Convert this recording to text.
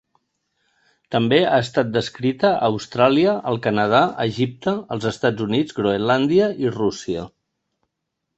També ha estat descrita a Austràlia, el Canadà, Egipte, els Estats Units, Groenlàndia i Rússia.